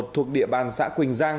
thuộc địa bàn xã quỳnh giang